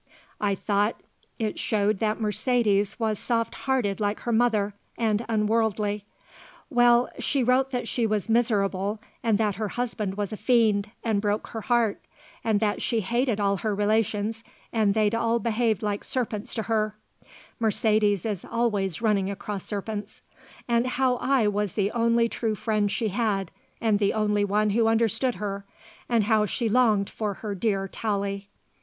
I thought it showed that Mercedes was soft hearted like her mother, and unworldly. Well, she wrote that she was miserable and that her husband was a fiend and broke her heart and that she hated all her relations and they'd all behaved like serpents to her Mercedes is always running across serpents and how I was the only true friend she had and the only one who understood her, and how she longed for her dear Tallie.